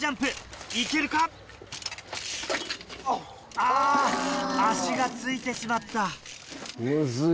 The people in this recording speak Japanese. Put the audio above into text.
あ足がついてしまった。